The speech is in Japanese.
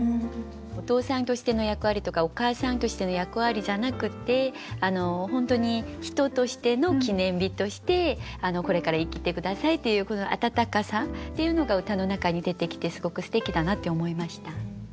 お父さんとしての役割とかお母さんとしての役割じゃなくて本当に人としての記念日としてこれから生きて下さいっていうこの温かさっていうのが歌の中に出てきてすごくすてきだなって思いました。